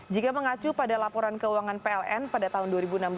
jika mengacu pada laporan keuangan pln pada tahun dua ribu enam belas